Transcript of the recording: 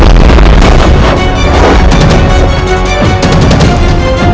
untuk mengalahkan kian santa